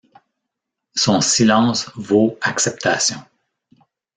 Son silence vaut acceptation.